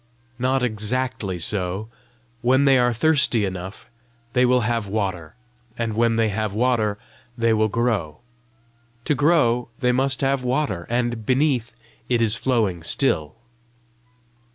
"Not exactly so: when they are thirsty enough, they will have water, and when they have water, they will grow. To grow, they must have water. And, beneath, it is flowing still."